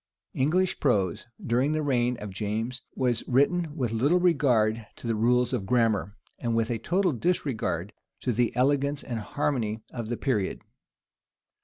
English prose, during the reign of James, was written with little regard to the rules of grammar, and with a total disregard to the elegance and harmony of the period.